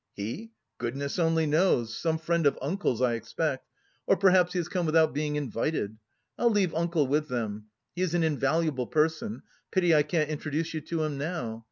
"He? Goodness only knows! Some friend of uncle's, I expect, or perhaps he has come without being invited... I'll leave uncle with them, he is an invaluable person, pity I can't introduce you to him now.